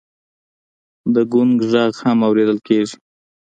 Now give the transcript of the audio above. د ګونګ غږ هم اورېدل کېږي.